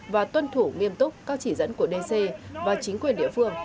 và tuân thủ nghiêm túc các chỉ dẫn của dc và chính quyền địa phương